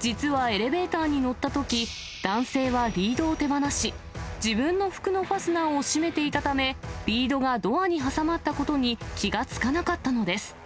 実はエレベーターに乗ったとき、男性はリードを手放し、自分の服のファスナーを閉めていたため、リードがドアに挟まったことに気がつかなかったのです。